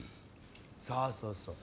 そうそうそう。